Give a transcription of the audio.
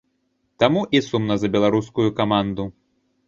Таму і сумна за беларускую каманду.